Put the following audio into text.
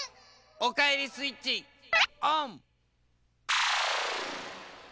おかえりスイッチオン！